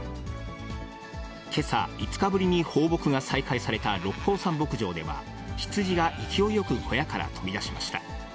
けさ、５日ぶりに放牧が再開された六甲山牧場では、ヒツジが勢いよく小屋から飛び出しました。